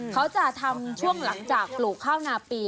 เขาจะทำช่วงหลังจากปลูกข้าวนาปี